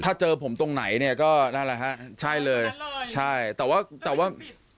ถ้าเจอผมตรงไหนเนี่ยก็นั่นแหละฮะใช่เลยใช่แต่ว่าแต่ว่า